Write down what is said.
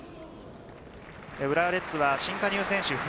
浦和レッズは新加入選手